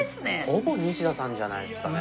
ほぼ西田さんじゃないですかね。